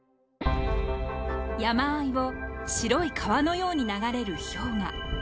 山あいを白い川のように流れる氷河。